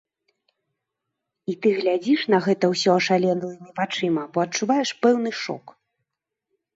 І ты глядзіш на гэта ўсё ашалелымі вачыма, бо адчуваеш пэўны шок.